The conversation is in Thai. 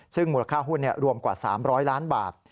ซึ่งมูลค่าหุ้นรวมกว่า๓๐๐ล้านบาท